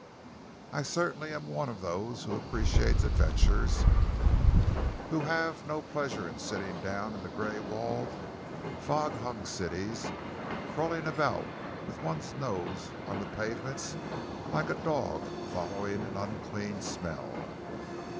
"I certainly am one of those who appreciate adventures, who have no pleasure in sitting down in these grey walled, fog hung cities, and crawling about with one's nose on the pavements like a dog following an unclean smell.